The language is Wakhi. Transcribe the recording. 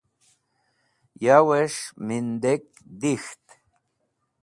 Yawes̃h Mindek Dikht